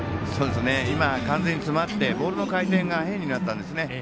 今、完全に詰まってボールの回転が変になったんですね。